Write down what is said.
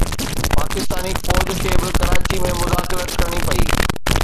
پاڪستان فوج کي به ڪراچي ۾ مداخلت ڪرڻي پئي